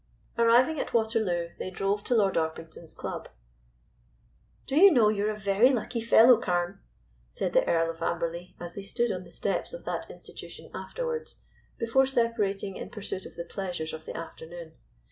Arriving at Waterloo, they drove to Lord Orpington's club. "Do you know you're a very lucky fellow, Carne?" said the Earl of Amberley as they stood on the steps of that institution afterwards, before separating in pursuit of the pleasures of the afternoon.